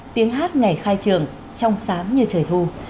tiếng hát ngày khai trưởng trong sám như trời thu